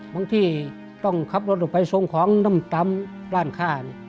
ที่ต้องขับรถออกไปส่งของน้ำตำร้านค่า